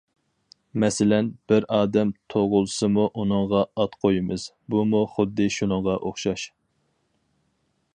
مەسىلەن، بىر ئادەم تۇغۇلسىمۇ ئۇنىڭغا ئات قويىمىز، بۇمۇ خۇددى شۇنىڭغا ئوخشاش.